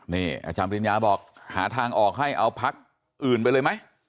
นี่อาจารย์ปริญญาบอกหาทางออกให้เอาพักอื่นไปเลยไหม